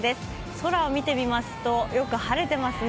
空を見てみますとよく晴れていますね。